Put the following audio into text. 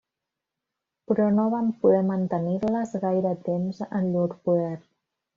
Però no van poder mantenir-les gaire temps en llur poder.